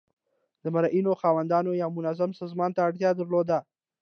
د مرئیانو خاوندانو یو منظم سازمان ته اړتیا درلوده.